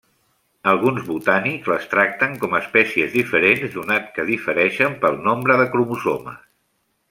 Alguns botànics les tracten com espècies diferents donat que difereixen pel nombre de cromosomes.